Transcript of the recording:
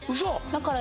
だから。